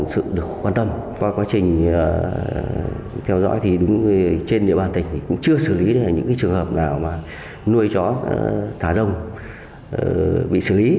sự được quan tâm qua quá trình theo dõi thì đúng trên địa bàn tỉnh cũng chưa xử lý được những trường hợp nào nuôi chó thả rông bị xử lý